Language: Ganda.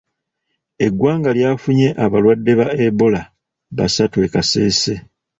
Eggwanga lyafunye abalwadde ba Ebola basatu e Kasese.